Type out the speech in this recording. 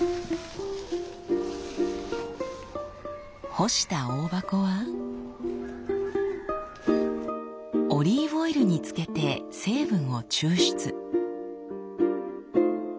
干したオオバコはオリーブオイルに漬けて成分を抽出。